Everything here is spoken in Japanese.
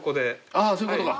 ああそういうことか。